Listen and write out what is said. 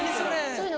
それ。